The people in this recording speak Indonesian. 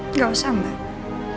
enggak usah mbak